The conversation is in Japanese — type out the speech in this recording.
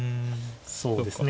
そうですね。